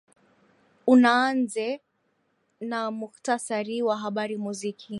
unaanze na muhtasari wa habari muziki